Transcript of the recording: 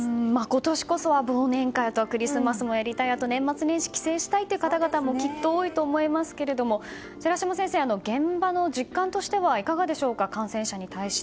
今年こそは忘年会とかクリスマスもやりたいあとは年末年始に帰省したい方もきっと多いと思いますが寺嶋先生、現場の実感としてはいかがでしょうか